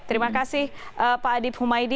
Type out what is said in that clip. terima kasih pak adib humaydi